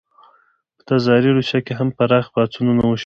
په تزاري روسیه کې هم پراخ پاڅونونه وشول.